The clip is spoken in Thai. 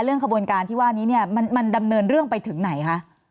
ขบวนการที่ว่านี้เนี่ยมันดำเนินเรื่องไปถึงไหนคะ